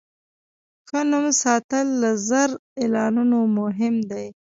ښه نوم ساتل له زر اعلانونو مهم دی.